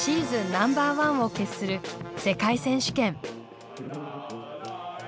ナンバーワンを決する世界選手権。